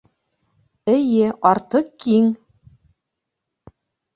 Эйе, артыҡ киң!